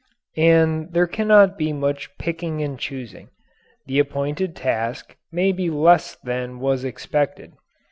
And there cannot be much picking and choosing. The appointed task may be less than was expected.